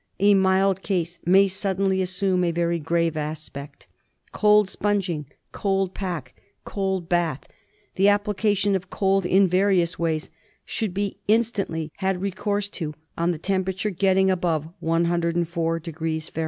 A mild case may suddenly assume a very grave aspect. Cold sponging, cold pack, cold bath, the application of cold in various ways should be instantly had recourse to on the temperature getting above 104° Fahr.